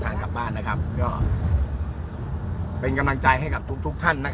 ทางกลับบ้านนะครับก็เป็นกำลังใจให้กับทุกทุกท่าน